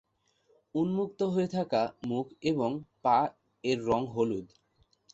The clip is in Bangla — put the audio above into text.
উন্মুক্ত হয়ে থাকা মুখ এবং পা এর রঙ হলুদ।